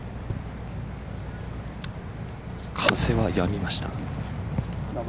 風はやみました。